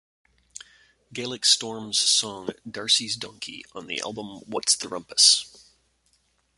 Gaelic Storm's song, "Darcey's Donkey" on the album "What's the Rumpus?